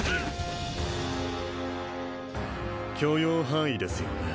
許容範囲ですよね？